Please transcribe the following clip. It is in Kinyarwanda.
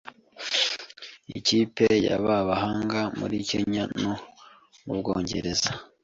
Ikipe y'aba bahanga muri Kenya no mu Bwongereza